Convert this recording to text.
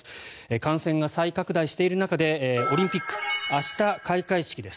感染が再拡大している中でオリンピック明日、開会式です。